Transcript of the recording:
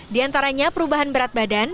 di antaranya perubahan berat badan